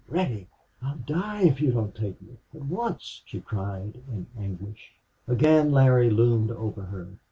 Reddy! I'll die if you don't take me at once!" she cried, in anguish. Again Larry loomed over her.